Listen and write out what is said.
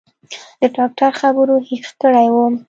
د ډاکتر خبرو هېښ کړى وم.